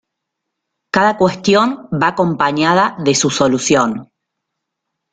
Cada cuestión va acompañada de su solución.